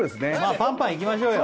パンパンいきましょうよ